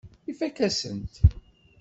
Ifakk-asen-t.